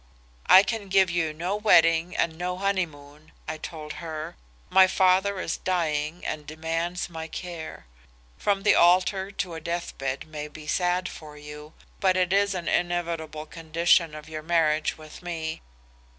"'I can give you no wedding and no honeymoon,' I had told her. 'My father is dying and demands my care. From the altar to a death bed may be sad for you, but it is an inevitable condition of your marriage with me.